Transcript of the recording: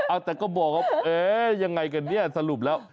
เอาแต่ก็บอกว่าเอ๊ยังไงกันเนี่ยสรุปแล้ว